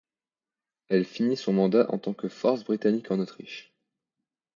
Elle finit son mandat en tant que Forces britanniques en Autriche.